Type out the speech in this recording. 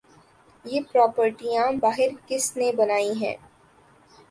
یہ پراپرٹیاں باہر کس نے بنائی ہیں؟